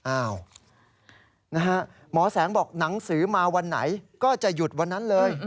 หมอแสงบอกหนังสือมาวันไหนก็จะหยุดวันนั้นเลย